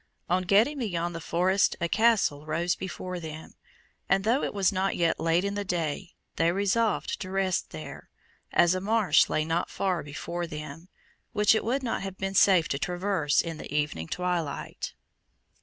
On getting beyond the forest a Castle rose before them, and, though it was not yet late in the day, they resolved to rest there, as a marsh lay not far before them, which it would not have been safe to traverse in the evening twilight.